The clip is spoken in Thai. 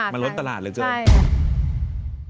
มันลดตลาดเหลือเกิน